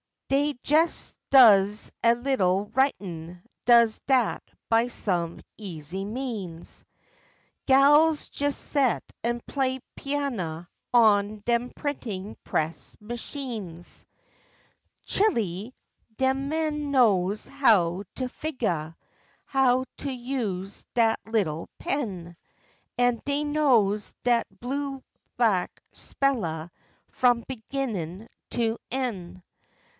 Dey jes does a little writin'; does dat by some easy means; Gals jes set an' play piannah on dem printin' press muchines. Chile, dem men knows how to figgah, how to use dat little pen, An' dey knows dat blue back spellah f'om beginnin' to de en'.